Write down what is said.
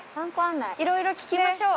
いろいろ聞きましょう。